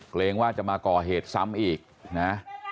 เกรงว่าจะมาก่อเหตุซ้ำอีกนะ